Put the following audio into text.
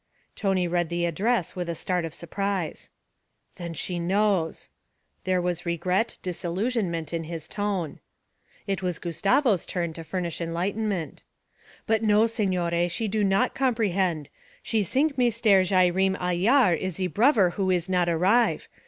Tony read the address with a start of surprise. 'Then she knows!' There was regret, disillusionment, in his tone. It was Gustavo's turn to furnish enlightenment. 'But no, signore, she do not comprehend. She sink Meestair Jayreem Ailyar is ze brover who is not arrive.